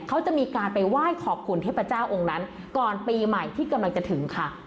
เขาจะมีการไปไหว้ขอบคุณเทพเจ้าองค์นั้นก่อนปีใหม่ที่กำลังจะถึงค่ะ